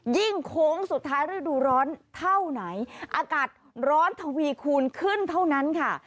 โค้งสุดท้ายฤดูร้อนเท่าไหนอากาศร้อนทวีคูณขึ้นเท่านั้นค่ะ